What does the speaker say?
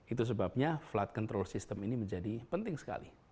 itu sebabnya flight control system ini menjadi penting sekali